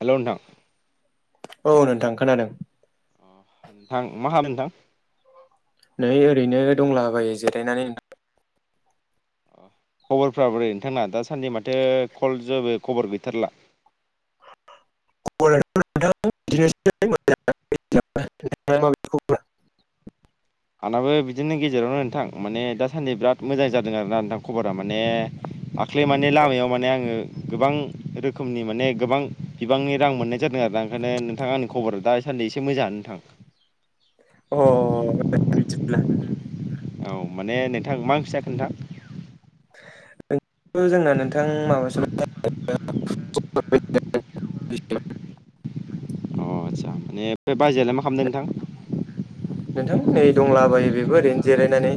Hello नोंथां। औ नोंथां खोनादों। अ नोंथां मा खालामदों? नै ओरैनो दंला बायो जिरायनानै। अ खबरफ्रा बोरै नोंथांना दासान्दि माथो कल जेबो खबर गैथारला। [inaudible] [unintelligible] [unintelligible] आंनाबो बिदिनो गेजेरावनो नोंथां माने दासान्दि बिराद मोजां जादों आरोना नोंथां खबरा माने दाख्लै माने लामायाव माने आङो गोबां रोखोमनि माने गोबां बिबांनि रां मोननाय जादों। दा ओंखायनो नोंथां आं खबर दासान्दि एसे मोजां नोंथां। अ [unintelligible] औ माने नोंथां मा ओंख्रि जाखो नोंथां? जोंना नोंथां माबासोमोनलै [unintelligible] अ आतसा माने ओमफाय बाजैयालाय मा खालामदों नोंथां? नोंथां नै दंलाबायो बेबो ओरैनो जिरायनानै।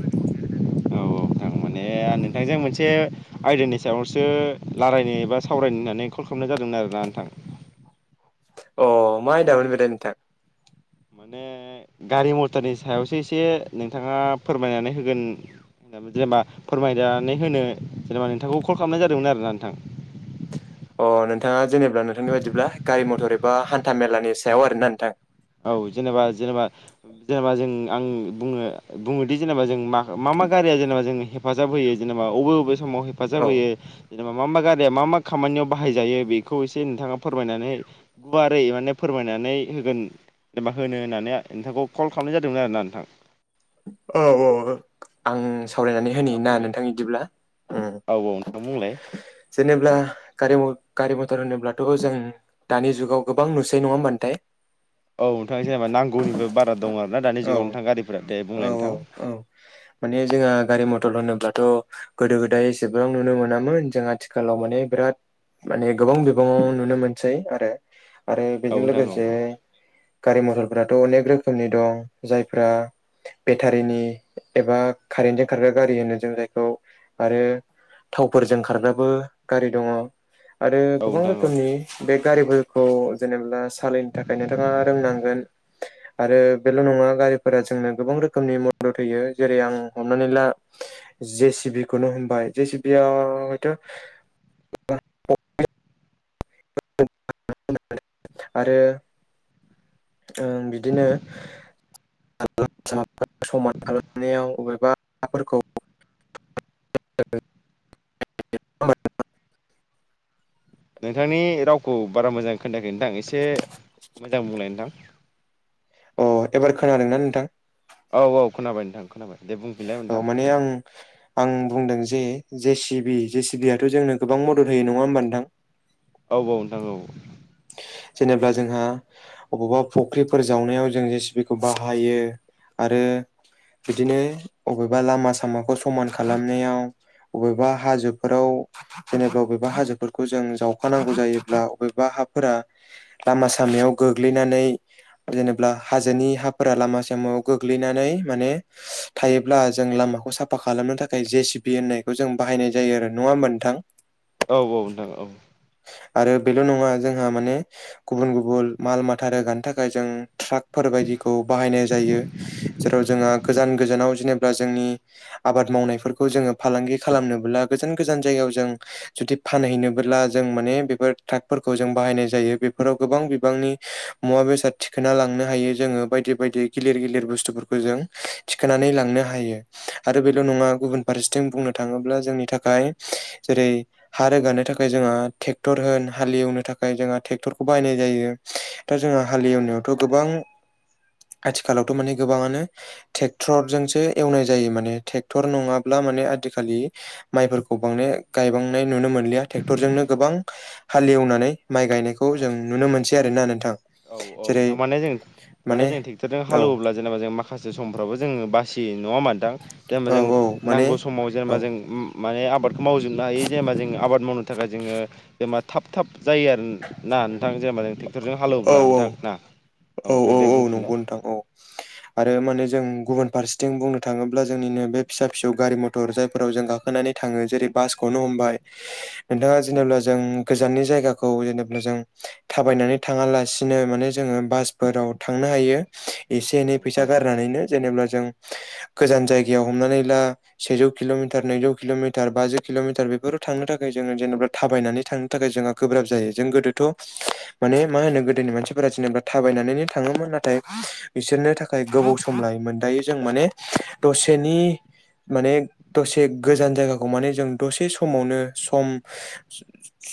ए नोंथांजों मोनसे आयदानि सायावसो रायलायनो एबा सावरायनो होननानै कल खालामनाय जादोंमोन आरो। ना नोंथां अ मा‌ आयदामोन [unintelligible] नोंथां? माने गारि मटरनि सायावसो एसे नोंथाङा फोरमायनानै होगोन जेनेबा फोरमायनानै होनो जेनेबा नोंथांखौ कल खालामनाय जादोंमोन आरोना नोंथां। अ नोंथाङा जेनेब्ला नोंथांनि बायदिब्ला गारि मथर एबा हान्था मेलानि सायाव आरोना नोंथां। औ जेनेबा जेनेबा‌ जेनेबा जों आं बुङो बुङोदि जेनेबा जों माख मा गारिया जेनेबा जों हेफाजाब होयो जेने अबे अबे समाव हेफाजाब औ होयो। मा मा गारिया मा मा खामानियाव बाहाय जायो बेखौ एसे नोंथाङा फोरमायनानै गुवारै माने फोरमाय फोरमायनानै होगोन एबा होनो होननानै नोंथांखौ कल खालामनाय जादोंमोन आरोना नोंथां। औ औ आं औ दे सावरायनानै नोंथाङा होनिना बुंलाय नोंथां इदिब्ला। उम औ औ नोंथां बुंलाय। जेनेब्ला गारि म गारि मथर होनोब्लाथ' जों दानि जुगाव गोबां नुसै नङा होमबा नोंथां। औ नोंथां जेनेबा नांगौनिबो बारा दं आरोना दानि औ जुगाव नोंथां गारिफोरा थाय औ औ औ माने जोंहा गारि मथर होनोब्ला थ' गोदो गोदाय एसेबां नुनो मोनामोन जों आथिखालाव माने बिराद माने गोबां बिबाङाव नुनो मोनसै आरो। आरो बेजों नोंथां औ लोगोसे गारि मथर फोराथ' अनेक रोखोमनि दं जायफ्रा बेटारिनि एबा कारेेनजों खारग्रा गारि होनो जों जायखौ आरो थावफोरजों खारग्राबो गारि दङ आरो औ गोबां नोंथां औ रोखोमनि बे गारिफोरखौ जेनेब्ला सालायनो थाखाय नोंथाङा रोंनांगोन आरो बेल' नङा गा रिफोरा जोंनो गोबां रो खोमनि मदद होयो जेरै आं हमनानै ला जे सि बि खौनो हमबाय जे सि बिया हयथ' [inaudible] आरो ओ बिदिनो [inaudible] समान खालामनायाव अबेबा हाफोरखौ [inaudible] नोंथांनि रावखौ बारा मोजां खोनायाखै नोंथां एसे मोजां बुंलाय नोंथां अ एबार खोनादोंना नोंथां? औ औ खोनाबाय नोंथां खोनाबाय दे बुंफिनलाय औ नोंथां माने आं आं बुंदों जे जे सि बि जे सि बि आथ' जोंनो गोबां मदद होयो नङा होमबा नोंथां? औ औ नोंथां औ जेनेबा जोंहा अबावबा फुख्रिफोर जावनायाव जों जे सि बि खौ बाहायो आरो बिदिनो अबेबा लामा सामाखौ समान खालामनायाव अबेबा हाजोफोराव जेनेबा बबेबा हाजोफोरखौ जों जावखानांगौ जायोब्ला अबेबा हाफोरा लामा सामायाव गोग्लैनानै जेनेब्ला हाजोनि हाफोरा लामा सामा याव गोग्लैनानै माने थायोब्ला जों लामाखौ साफा खालामनो थाखाय जे सि बि होननायखौ जों बाहायनाय जायो आरो नङा होमबा नोंथां? औ औ नोंथां औ आरो बेल' नङा जोंहा माने गुबुन गुबुन माल माथा रोगानो थाखाय जों ट्राक फोरबायदिखौ बाहायनाय जायो जेराव जोंहा गोजान गोजानाव जेनेब्ला जोंनि आबाद मावनायफोरखौ जोङो फालांगि खालामनोब्ला गोजान गोजान जायगायाव जों जुदि फानहैनोबोब्ला जों माने बेफोर ट्राकफोरखौ जों बाहायनाय जायो बेफोराव गोबां बिबांनि मुवा बेसाद थिखोना लां नो हायो जोङो बायदि बायदि गिलिर गिलिर बुस्थुफोरखौ जों थिखोनानै लांनो हायो आरो बे ल' नङा गुबुन फारसेथिं बुंनो थाङोब्ला जोंनि थाखाय जेरै हा रोगानो थाखाय जोंहा ट्रेक्टर होन हाल एवनो थाखाय जोंहा ट्रेक्टरखौ बाहायनाय जायो दा जोंहा हालेवनायावथ' गोबां [unintelligible] आथिखालावथ' माने गोबाङानो ट्रेक्टरजोंसो एवनाय जायो माने ट्रेक्टर नङाब्ला माने आथिखालि माइफोरखौ बांने गायबांनाय नुनो मोनलिया ट्रेक्टरजोंनो गोबां हालेवनानै माइ गायनायखौ जों नुनो मोनसै आरोना नोंथां। औ औ [unintelligible] जेरै जों माने जों ट्रेक्टरजों औ हालौवोब्ला जेनेबा जों मा खासे समफ्राबो जोङो बासियो नङा होनबा नोंथां जेनेबा औ जों औ माने नांगौ समाव औ जेनेबा जों [unintelligible] आबादखौ मावजोबनो हायो जेनेबा जों आबाद मावनो थाखाय जोङो जेनबा थाब थाब जायो आरो ना नोंथां जेनबा जों ट्रेक्टरजों औ हालौब्ला औ नोंथां ना औ नोंथां दे औ बुंफिनलाय नंगौ नोंथां औ आरो माने जों गुबुन फारसेथिं बुंनो थाङोब्ला जोंनिनो बे फिसा फिसौ गारि मथर जायफोराव जों गाखोनानै थाङो जेरै बासखौ नो हमबाय नोंथाङा जेनोब्ला जों गोजाननि जायगाखौ जेनोब्ला जों थाबायनानै थाङालासिनो माने जोङो बासफोराव थांनो हायो। एसे औ एनै फैसा नोंथां गारनानैनो जेनेबा जों गोजान जायगायाव हमनानै ला सेजौ किल'मिटार नैजौ किल'मिटार बाजि किल'मिटार बेफोराव थांनो थाखाय जोङो जेनेबा थाबायनानै थांनो थाखाय जोंहा गोब्राब जायो जों गोदोथ' माने मा होनो गोदोनि मानसिफोरा जेनेबा थाबायनानैनो थाङोमोन नाथाय बिसोरनो थाखाय गोबाव सम लायो। -मोन दायो जों माने दसेनि माने दसे गोजान जायगाखौ माने जों दसे समावनो सम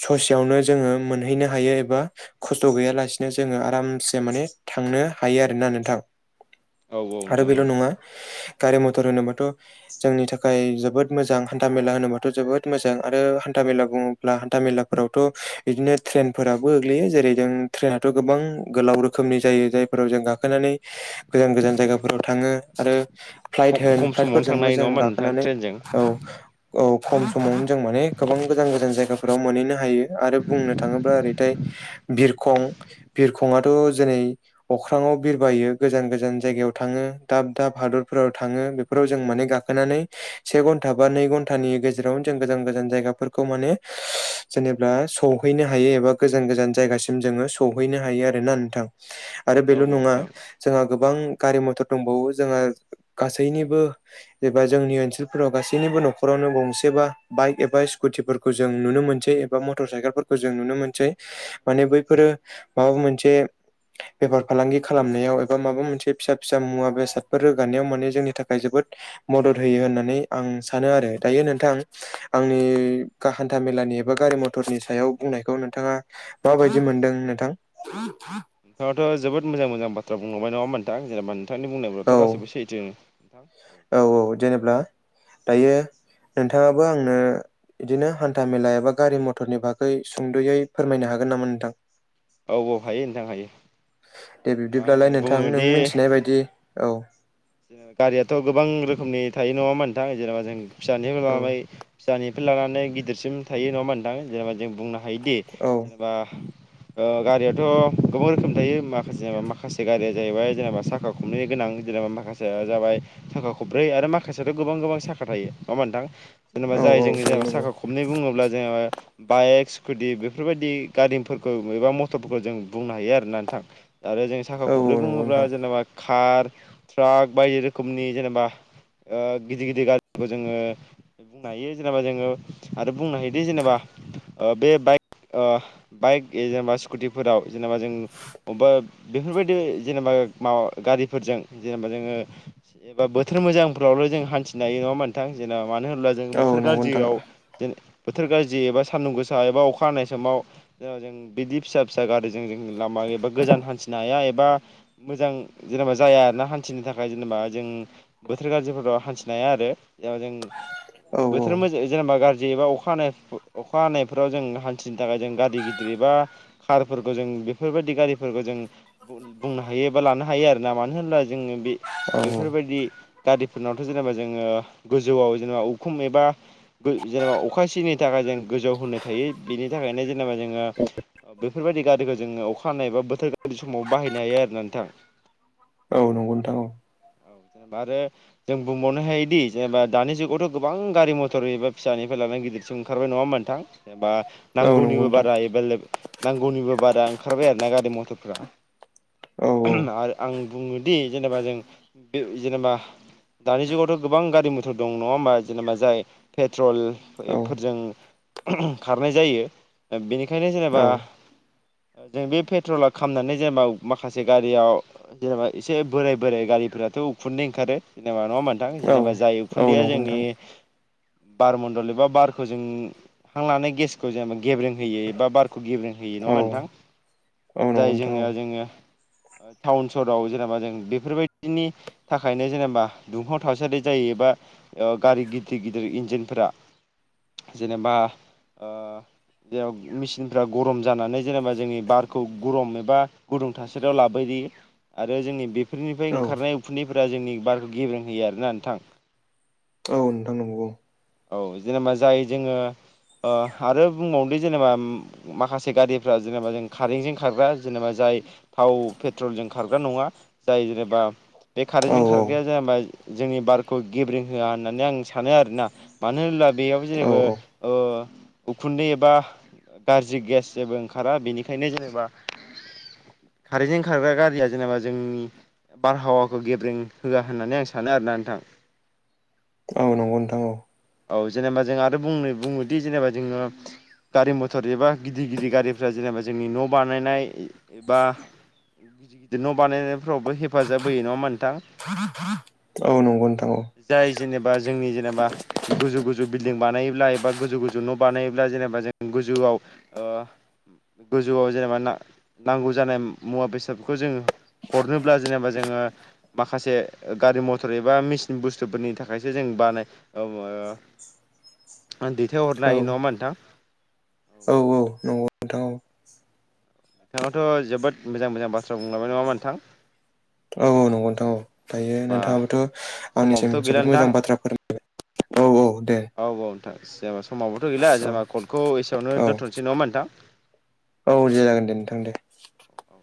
ससेयावनो जोङो मोनहैनो हायो एबा। खस्थ' गैयालासिनो जोङो आरामसे माने थांनो हायो आरोना नोंथां। औ आरो नोंथां बेल' औ नङा। गारि मथर होनोबाथ' जोंनि थाखाय जोबोद मोजां हान्था मेला होनोबाथ' जोबोद मोजां आरो हान्था। था मेला बुङोब्ला हान्था मलाफोरावथ' बिदिनो ट्रेनफोराबो गोग्लैयो जों ट्रेनाथ' गोबां गोलाव रोखोमनि जायो जायफोराव जों गाखोनानै गोजान गोजान जायगाफोराव थाङो आरो फ्लाइट खम होन खम समावनो थांनो फ्लाइटफोरजोंबो हायो नङा जों होमबा नोंथां गाखोनानै ट्रेनजों औ। औ खम समावनो जों माने गोबां गोजान गोजान जायगाफोराव मोनहैनो हायो आरो बुंनो थाङोब्ला ओरैथाय। बिरखं बिरखंआथ' जेरै अख्राङाव बिरबायो गोजान गोजान जायगायाव थाङो। दाब दाब हादरफोराव थाङो बेफोराव जों माने गाखोनानै से घन्टा बा नै घन्टानि गेजेरावनो। जों गोजान गोजान जायगाफोरखौ मानि जेनेबा सौहैनो हानो एबा गोजान गोजान। जायगासिम जों सौहैनो हायो आरोना नोंथां आरो औ बेल' नङा नोंथां जोंङो। गोबां गारि मथर दंबावो जोंहा गासैनिबो एबा जोंनि ओनसोलफोराव गासैनि। बो न'खरावनो गंसेबा बाइक एबा स्कुटिफोरखौ जों नुनो मोनसै एबा मटर साइकेलफोरखौ जों नुनो मोन सै माने बैफोरो माबा मोनसे। बेफार फालांगि खालामनायाव एबा माबा मोनसे फिसा फिसा मुवा बेसादफोर रोगानायाव माने जोंनि थाखाय जोबोद मदद होयो होननानै आं सानो आरो दायो नोंथां आंनि गा-हान्था मे। नि एबा गारि मथरनि सायाव बुंनायखौ नोंथाङा माबायदि मोनदों नोंथां? नोंथाङाथ' जोबोद मोजां मोजां बाथ्रा बुंलांबाय नङा होमबा नोंथां जेनेबा नोंथांनि औ बुंनायफ्राथ' गासिबो सैथो। औ औ जेनेब्ला दायो। नोंथाङाबो आंनो बिदिनो हान्था मेला एबा गारि मथरनि बागै सुंद'यै फोरमायनो हागो गोन नामा नोंथां? औ औ हायो नोंथां हायो। दे बिब्दिब्लालाय आं नोंथां नों मिथिनाय बायदि औ। जेने गारियाथ' गोबां रोखोमनि थायो नङा होमबा ओनथां जेनेबा जों फिसानि औ माय। दानिफ्राय लानानै गिदिरसिम थायो नङा होमबा ओनथां जेनेबा जों बुंनो हायोदि औ जेनेबा। ओ गारियाथ' गोबां रोखोमनि थायो माखासे जेनेबा माखासे गारिया जाहैबाय जेनेबा साखा खमनै। गोनां जेनेबा माखासेया जाबाय थाखा खब्रै आरो माखासेयाथ' गोबां गोबां साखा थायो नङा होमबा ओनथां? जेनेबा औ जाय औ जों दायो जेनेबा नंगौ साखा खबनै बुङोब्ला जोहा। बाइक स्कुटि बेफोरबायदि गारिफोरखौ एबा मटरफोरखौ जों बुंनो हायो आरोना नोंथां। आरो जों साखा औ औ खब्रै नंगौ बुङोब्ला नोंथां जेनेबा कार ट्राक बायदि रोखोमनि जेनेबा। ओ गिदिर गिदिर गाज्रिखौ जोङो ओ बुंनो हायो जेनेबा जोङो आरो बुंनो हायोदि जेनेबा। ओ बे बाइक ओ बाइक जेनेबा स्कुटिफोराव। जेनेबा जों बबेबा बेफोरबायदि जेनेबा माबा गारिफोरजों। जेनेबा जोङो एबा बोथोर मोजांफोरावल' जों हान्थिनो हायो नङा होमबा ओनथां जेन। मानो होनब्ला जों औ बोथोर नंगौ नोंथां गाज्रियाव जोंं। बोथोर गाज्रि एबा सानदुं गोसा एबा अखा हानाय समाव जों बिदि फिसा फिसा गारजों जों। लामा एबा गोजान हान्थिनो हाया एबा मोजां जेनेबा जाया आरोना। हान्थिनो थाखाय जेनेबा जों बोथोर गाज्रिफोराव हान्थिनाय हाया आरो। दा जों औ औ बोथोर मोजां जेनेबा गाज्रि। जेनेबा अखा हानाय अखा हानायफोराव जों हान्थिनो थाखाय जों गारि गिदिर एबा कारफोरखौ जों। बेफोरबायदि गारिफोरखौ जों। बुंनो हायो एबा लानो हायो आरोना मानो होनब्ला जोङो बे औ बेफोरबायदि। गारिफोरनावथ' जेनेबा जोङो गोजौआव जेनेबा उखुम एबा जेनेबा अखा सियैनि। थाखाय जों गोजौ होनो थायो बेनि थाखायनो जेनेबा जोङो। बेफोरबायदि गारिखौ जोङो अखा हानाय बा बोथोर गाज्रि समाव बाहायनो हायो आरोना नोंथां। औ नंगौ नोंथां औ जा आरो। जों बुंबावनो हायोदि जेनेबा दानि जुगावथ' गोबां गारि मथर एबा फिसानिफ्राय लानानै गिदिरसिम ओंखारबाय नङा। होमबा ओनथां बा औ नंगौ नांगौनिबो नोंथां बारा एबा लोब नांगौनिबो बा। दा ओंखारबाय आरोना गारि मथरफ्रा औ आरो आं। बुङोदि जेनेबा जों बे जेनेबा दानि जुगावथ' गोबां गारि मथर दं नङा होमबा जेनेबा जाय पेट्रल औ नंगौ नोंथां औ एफोरजों खारनाय जायो बेनिखायनो जेनेबा जों बे पेट्रला खामनानै जेनेबा माखासे गारियाव जेनेबा एसे बोराय बोराइ गारिफोराथ' उखुन्दै ओंखारो जेनेबा नङा मोनथां जेनेबा जाय औ उखुन्दैया नंगौ जोंनि नोंथां बार मन्दल एबा बारखौ जों हां लानाय गेसखौ जेनेबा गेब्रें होयो एबा बार खौ गेब्रेें होयो नङा नोंथां? जाय जोनियाव जोङो टाउन सहराव जेनेबा जों बेफोरबायदिनि थाखायनो जेनेबा दुंफाव थासारि जायोबा गारि गिदिर गिदिर इन्जिनफोरा जेनेबा ओ जेराव मेसिनफ्रा गरम जानानै जेनेबा जोंनि बारखौ गरम एबा गुदुं थासारियाव लाबोयो आरो जोंनि बेफोरनिफ्राय औ ओंखारनाय उखुन्दै फोरा जोंनि बारखौ गेब्रें होयो आरोना नोंथां। औ नोंथां नंनौ। औ जेनेबा जाय जोङो अह आरो बुंबावनोदि जेनेबा माखासे गारिफ्रा जेनेबा जों खारेंजों खारग्रा जेनेबा जाय थाव पेट्रलजों खारग्रा नङा जाय जेनेबा बे औ खारेनन्टजों औ खारग्राया जेनबा जोंनि बारखौ गेब्रिं होआ होननानै आं सानो आरोना? मानो होनो ब्ला बेयाव औ जेनेबो ओ उखुन्दै एबा गाज्रि गेस जेबो ओंखारा बेनिखायनो जेनेबा कारेेनन्टजों ओंखारग्रा गारिया जेनेबा जोंनि बारहावाखौ गेब्रें होआ होननानै आं सानो आरोना नोंथां? औ नंगौ नोंथां। औ औ जेनेबा जों आरो बुंनो बुङोदि जेनेबा जोङो गारि मथर एबा गिदिर गिदिर गारिफ्रा जेनेबा जोंनि न' बानायनाय एबा गिदिर गिदिर न' बानायनायफोरावबो हेफाजाब होयो नङा होनबा नोंथां? औ नंगौ नोंथां औ। जाय जेनेबा जोंनि जेनेबा गोजौ गोजौ बिल्डिं बानायोब्ला एबा गोजौ गोजौ न' बानायोब्ला जों जेनेबा जों गोजौआव ओ गोजौआव जेनेबा नांगौ जानाय मुवा बेसादखौ जोङो हरनोब्ला जेनेबा जोङो माखासे गारि मथर एबा मेसिन बुस्थुफोरनि थाखायसो जों बानाय [inaudible] दैथायहरनो औ हायो औ नङामा नोंथां? [inaudible] औ नंगौ नोंथां औ नोंथाङावथ' जोबोद मोजां मोजां बाथ्रा बुंलांबाय नङाम नोंथां? औ औ नंगौ नोंथां औ दायो जेनेबा नोंथाङाबोथ' आंनिसिम समाबोथ' गैला जोबोद नोंथां मोजां बाथ्रा फोरमबाय औ औ नोंथां जेनेबा समावबोथ' गैला औ जेनेबा कलखौ एसेयावनो औ दोन्थ'नोसै नङामा नोंथां? [inaudible] औ दे जागोन दे नोंथां दे। औ